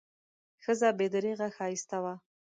ښځه بې درېغه ښایسته وه.